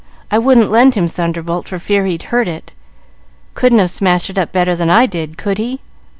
I wouldn't lend him 'Thunderbolt' for fear he'd hurt it. Couldn't have smashed it up better than I did, could he?